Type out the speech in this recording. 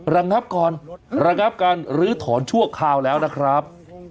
ระงับการลื้อถอนชั่วคราวแล้วนะครับ